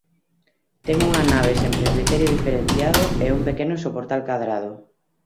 Ten unha nave sen presbiterio diferenciado e un pequeno soportal cadrado.